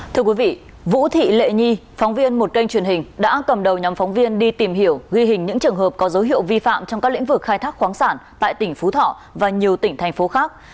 thưa quý vị vũ thị lệ nhi phóng viên một kênh truyền hình đã cầm đầu nhóm phóng viên đi tìm hiểu ghi hình những trường hợp có dấu hiệu vi phạm trong các lĩnh vực khai thác khoáng sản tại tỉnh phú thọ và nhiều tỉnh thành phố khác